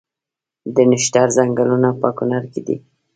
د نښتر ځنګلونه په کنړ کې دي؟